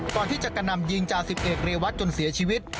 ก่อนที่จะกระนำยิงจ่าสิบเอกเรวัตจนเสียชีวิต